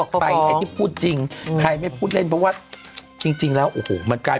ใครไม่พูดเล่นเพราะว่าจริงแล้วมันกลายเป็นเรื่องราว